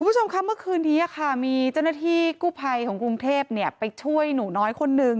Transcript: คุณผู้ชมคะเมื่อคืนนี้ค่ะมีเจ้าหน้าที่กู้ภัยของกรุงเทพไปช่วยหนูน้อยคนนึง